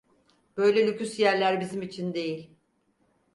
Böyle lüküs yerler bizim için değil!